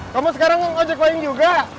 kamu sekarang ngomong ojek payung juga